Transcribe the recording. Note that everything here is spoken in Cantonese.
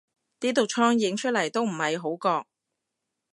啲毒瘡影出嚟都唔係好覺